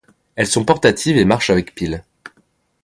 Elles sont portatives et marchent avec piles.